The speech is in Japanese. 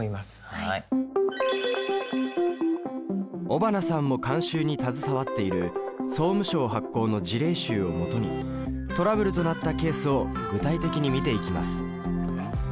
尾花さんも監修に携わっている総務省発行の「事例集」を元にトラブルとなったケースを具体的に見ていきます。